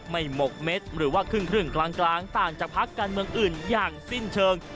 หมกเม็ดหรือว่าครึ่งกลางต่างจากพักการเมืองอื่นอย่างสิ้นเชิง